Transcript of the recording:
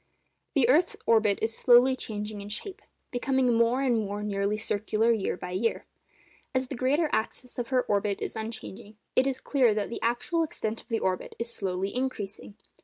The earth's orbit is slowly changing in shape—becoming more and more nearly circular year by year. As the greater axis of her orbit is unchanging, it is clear that the actual extent of the orbit is slowly increasing.